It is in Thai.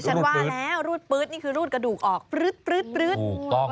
ฉันว่าแล้วรูดปื๊ดนี่คือรูดกระดูกออกปรึ๊ด